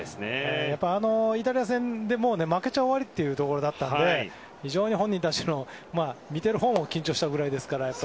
イタリア戦でも負けちゃ終わりというところでしたので見てるほうも緊張したくらいですから。